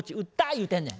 言うてんねん。